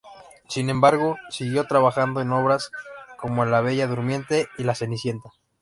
Sin embargo, siguió trabajando en obras como "La bella durmiente" y "Cenicienta".